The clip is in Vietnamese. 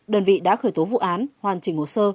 đơn vị đã khởi tố vụ án hoàn chỉnh hồ sơ